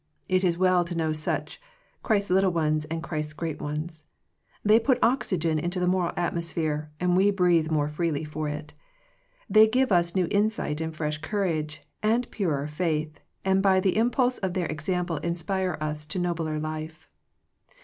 It is well to know such, Christ's little ones and Christ's great ones. They put oxygen into the moral atmosphere, and we breathe more freely for it. They give us new insight, and fresh courage, and purer faith, and by the impulse of their example inspire us to nobler life.